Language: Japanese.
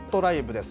です。